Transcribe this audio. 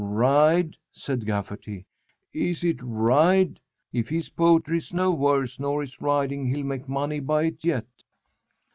"Ride!" said Gafferty. "Is it ride? If his poetry is no worse nor his riding he'll make money by it yet."